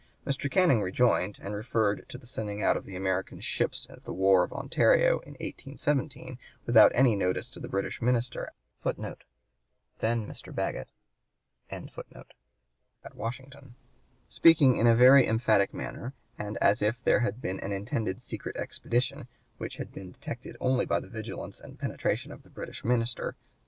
Mr. Canning rejoined, and referred to the sending out of the American ship of war Ontario, in 1817, without any notice to the British minister at Washington, "speaking in a very emphatic manner and as if there had been an intended secret expedition ... which had been detected only by the vigilance and penetration of the British minister.